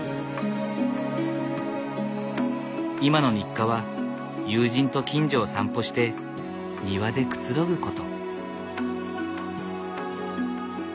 今の日課は友人と近所を散歩して庭でくつろぐこと。